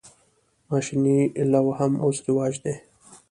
ماشیني لو هم اوس رواج دی.